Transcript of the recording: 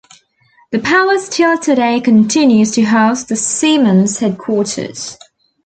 The palace still today continues to house the Siemens headquarters.